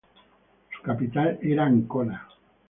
Su capital era Ancona.